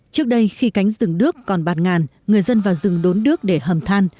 trước đây khi cánh rừng đước còn bạt ngàn người dân vào rừng đốn nước để hầm than